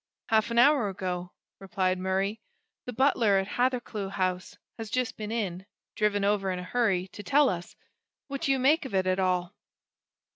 "Half an hour ago," replied Murray. "The butler at Hathercleugh House has just been in driven over in a hurry to tell us. What do you make of it at all?"